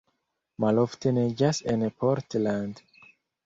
Malofte neĝas en Portland.